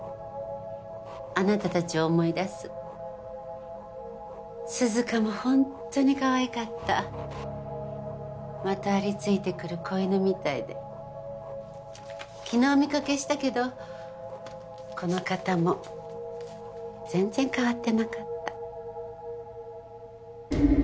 あなた達を思い出す涼香もホントにかわいかったまとわりついてくる子犬みたいで昨日お見かけしたけどこの方も全然変わってなかった